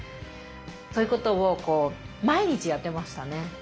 そういうことを毎日やってましたね。